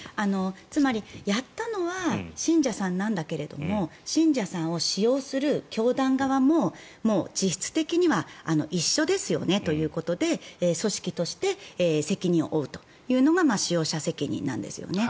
つまりやったのは信者さんなんだけれども信者さんを使用する教団側も実質的には一緒ですよねということで組織として責任を負うというのが使用者責任なんですよね。